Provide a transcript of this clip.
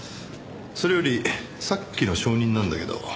それよりさっきの証人なんだけど。